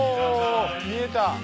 見えた！